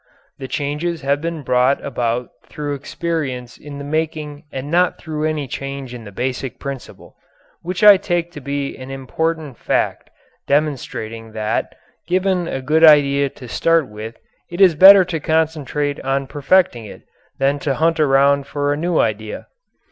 The changes have been brought about through experience in the making and not through any change in the basic principle which I take to be an important fact demonstrating that, given a good idea to start with, it is better to concentrate on perfecting it than to hunt around for a new idea.